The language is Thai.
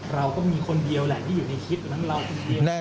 เราก็มีคนเดียวแหละที่อยู่ในคลิปทั้งเราคนเดียว